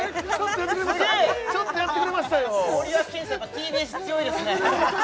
ＴＢＳ強いですね